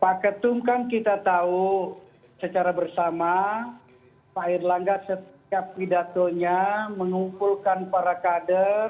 pak ketum kan kita tahu secara bersama pak erlangga setiap pidatonya mengumpulkan para kader